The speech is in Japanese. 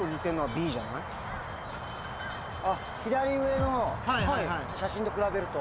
あっ左上の写真と比べると？